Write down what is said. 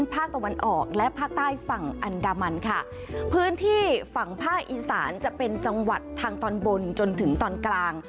ภาคตะวันออกและภาคใต้ฝั่งอันดามันค่ะพื้นที่ฝั่งภาคอีสานจะเป็นจังหวัดทางตอนบนจนถึงตอนกลาง